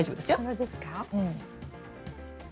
そうですか？